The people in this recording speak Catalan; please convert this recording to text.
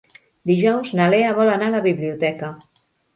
Dijous na Lea vol anar a la biblioteca.